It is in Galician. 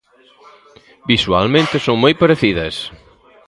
Visualmente son moi parecidas.